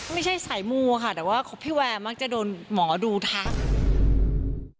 ไม่ใช่สายมูค่ะแต่ว่าพี่แวร์มักจะโดนหมอดูทัก